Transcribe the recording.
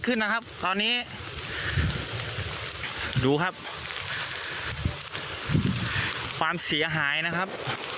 ขึ้นนะครับตอนนี้ดูครับความเสียหายนะครับ